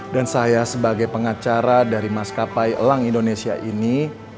dan saya sebagai pengacara dari maskapai elang indonesia ini